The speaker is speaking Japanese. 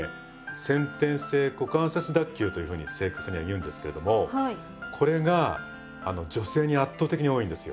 先天性股関節脱臼というふうに正確にはいうんですけれどもこれが女性に圧倒的に多いんですよ。へ。